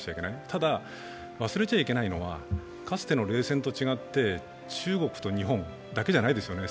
ただ、忘れちゃいけないのはかつての冷戦と違って中国と日本だけじゃないですよね。